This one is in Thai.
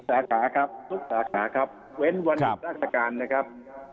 ทุกข์สาขาครับทุกข์สาขาครับเว้นวันราชการนะครับ